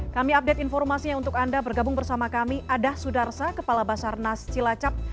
kami update informasinya untuk anda bergabung bersama kami adah sudarsa kepala basarnas cilacap